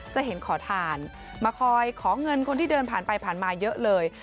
จะเห็นขอทานมาคอยขอเงินคนที่เดินผ่านไปผ่านมาเยอะเลย